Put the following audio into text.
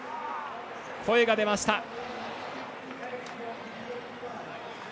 声が出ました。